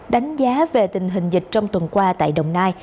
đánh giá về tình hình dịch trong tuần qua tại đồng nai